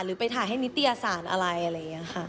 ไปถ่ายให้นิตยสารอะไรอะไรอย่างนี้ค่ะ